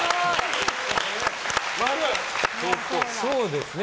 そうですね。